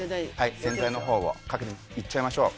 洗剤の方をいっちゃいましょう。